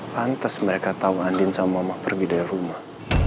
pantesan mereka tawandin sama mama pergi dari rumah